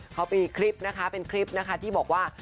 เขามีคลิปนะคะเป็นคลิปนะคะที่บอกว่า